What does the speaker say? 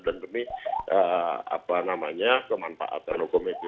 dan demi kemanfaatan hukum itu